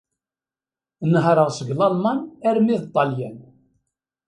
Nehṛeɣ seg Lalman armi d Ṭṭalyan.